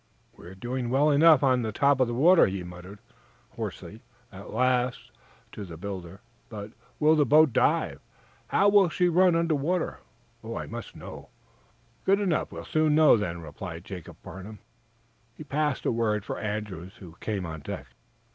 "We're doing well enough on top of the water," he muttered, hoarsely, at last, to the builder. "But will the boat dive? How will she run under water? I must know!" "Good enough! We'll soon know, then," replied Jacob Farnum. He passed the word for Andrews, who came on deck.